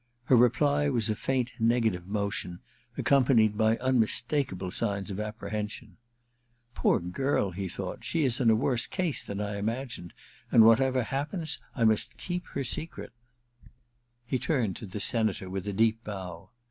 Her reply was a faint nega tive motion, accompanied by unmistakable signs of apprehension. * Poor girl 1 ' he thought, * she is in a worse case than I imagined, and whatever happens I must keep her secret/ He turned to the Senator with a deep bow.